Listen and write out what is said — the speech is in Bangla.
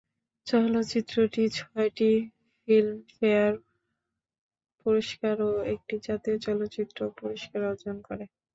চলচ্চিত্রটি ছয়টি ফিল্মফেয়ার পুরস্কার ও একটি জাতীয় চলচ্চিত্র পুরস্কার অর্জন করে।